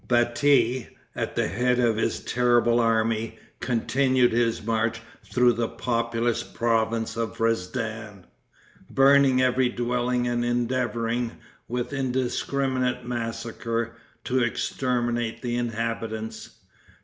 Bati, at the head of his terrible army, continued his march through the populous province of Rezdan, burning every dwelling and endeavoring, with indiscriminate massacre, to exterminate the inhabitants.